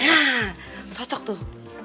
nah cocok tuh